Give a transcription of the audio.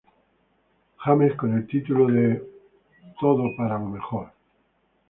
James con el título de "All for the best".